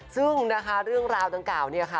ซึ่งนะคะเรื่องราวดังกล่าวเนี่ยค่ะ